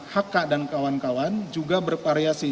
hk dan kawan kawan juga bervariasi